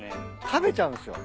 食べちゃうんすよ。